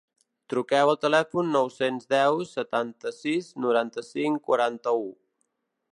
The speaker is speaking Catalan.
Truqueu al telèfon nou-cents deu setanta-sis noranta-cinc quaranta-u